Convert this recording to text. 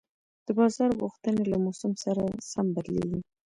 د بازار غوښتنې له موسم سره بدلېږي.